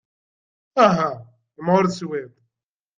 Aha, imɣuret cwiṭ!